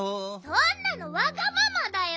そんなのわがままだよ。